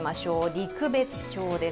陸別町です。